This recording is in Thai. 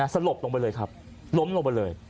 สลบลงไปเลยครับล้มลงไปเลย